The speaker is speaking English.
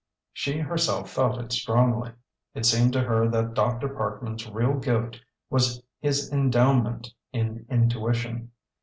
She herself felt it strongly. It seemed to her that Dr. Parkman's real gift was his endowment in intuition.